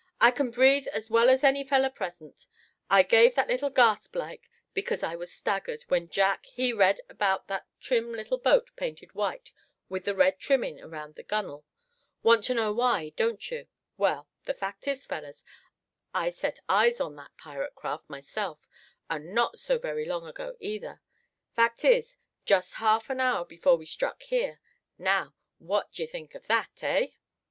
"I c'n breathe as well as any feller present. I gave that little gasp like because I was staggered, when Jack, he read about that trim little boat painted white, with the red trimmin' around the gunnel. Want to know why, don't you? Well, the fact is, fellers, I set eyes on that pirate craft myself, and not so very long ago either; fact is, just half an hour before we struck here. Now, what d'ye think of that, hey?"